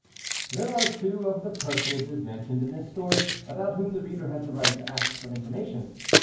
There are two of the personages mentioned in this story, about whom the reader has the right to ask for information.